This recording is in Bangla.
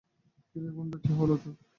কিরে কুন্দ, কী হল তোর?